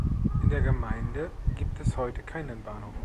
In der Gemeinde gibt es heute keinen Bahnhof.